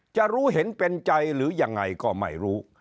จะรู้เห็นเป็นใจหรือยังไงก็ไม่รู้